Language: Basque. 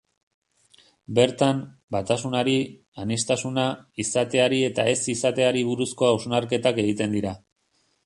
Bertan, batasunari, aniztasuna, izateari eta ez-izateari buruzko hausnarketak egiten dira.